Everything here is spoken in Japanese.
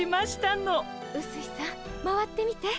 うすいさん回ってみて。